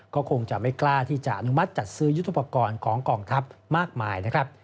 ก็คงจะไม่กล้าที่จะอนุมัติจัดซื้อยุทธุปกรณ์ของกองทัพมากมายนะครับ